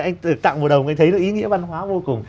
anh tặng một đồng anh thấy nó ý nghĩa văn hóa vô cùng